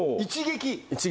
一撃？